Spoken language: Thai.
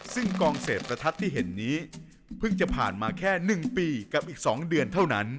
ซึ่งกองเสพประทัดที่เห็นนี้เพิ่งจะผ่านมาแค่๑ปีกับอีก๒เดือนเท่านั้น